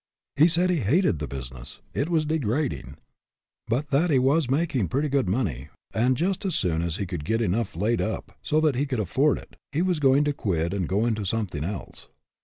He said he hated the business; it was degrading; but that he was making pretty good money, and just as soon as he could get enough laid up, so that he could afford it, he was going to quit and go into something else.